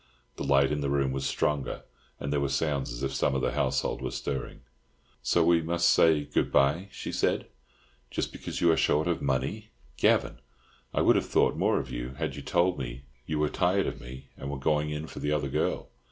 The light in the room was stronger, and there were sounds as if some of the household were stirring. "So we must say 'Good bye!'" she said, "just because you are short of money. Gavan, I would have thought more of you, had you told me you were tired of me and were going in for the other girl.